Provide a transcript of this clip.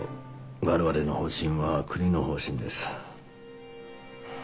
我々の方針は国の方針です。